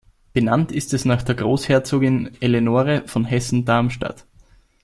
Benannt ist es nach der Großherzogin Eleonore von Hessen-Darmstadt.